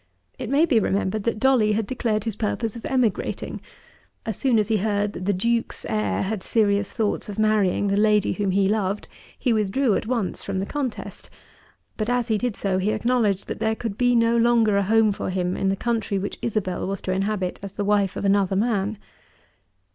It may be remembered that Dolly had declared his purpose of emigrating. As soon as he heard that the Duke's heir had serious thoughts of marrying the lady whom he loved he withdrew at once from the contest, but, as he did so, he acknowledged that there could be no longer a home for him in the country which Isabel was to inhabit as the wife of another man.